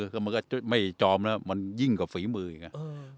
แรกมือก็มันก็ไม่จอมนะมันยิ่งกับฝีมืออย่างเงี้ย